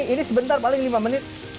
ini sebentar paling lima menit